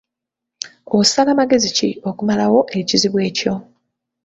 Osala magezi ki okumalwo ekizibu ekyo?